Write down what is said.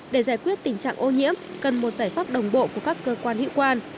để giải quyết tình trạng ô nhiễm cần một giải pháp đồng bộ của các cơ quan hiệu quan